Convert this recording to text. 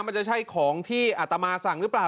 มันจะใช่ของที่อัตมาสั่งหรือเปล่า